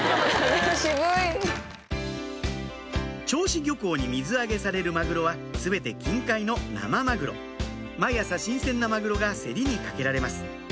銚子漁港に水揚げされるマグロは全て近海の生マグロ毎朝新鮮なマグロが競りにかけられます